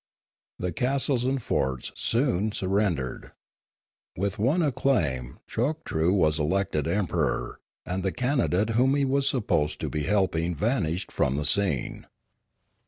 The castles and forts soon sur rendered. With one acclaim Choktroo was elected emperor, and the candidate whom he was supposed to be helping vanished from the scene.